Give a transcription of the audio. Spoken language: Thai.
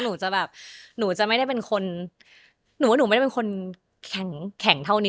หนูจะแบบหนูจะไม่ได้เป็นคนหนูว่าหนูไม่ได้เป็นคนแข็งเท่านี้